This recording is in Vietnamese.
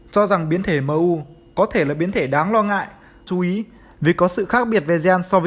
cho rằng biến thể mu có thể là biến thể đáng lo ngại chú ý vì có sự khác biệt về gen so với